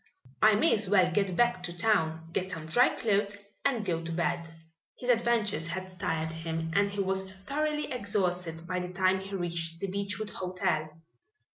"I may as well get back to town, get some dry clothes, and go to bed." His adventures had tired him and he was thoroughly exhausted by the time he reached the Beechwood Hotel.